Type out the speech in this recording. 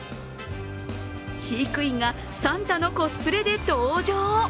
飼育員がサンタのコスプレで登場！